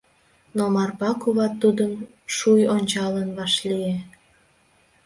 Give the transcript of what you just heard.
Но Марпа куват тудым шуй ончалын вашлие.